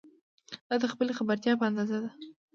دا د خپلې خبرتیا په اندازه ده.